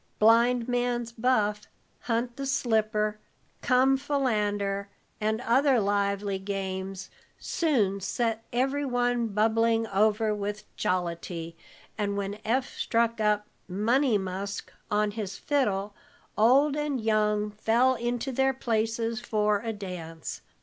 "Blind man's buff," "Hunt the slipper," "Come, Philander," and other lively games soon set every one bubbling over with jollity, and when Eph struck up "Money Musk" on his fiddle, old and young fell into their places for a dance.